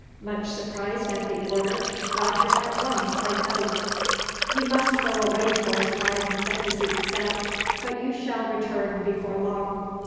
Much surprised at the order, Roger at once went out. "You must go away for a time," the cazique said; "but you shall return, before long."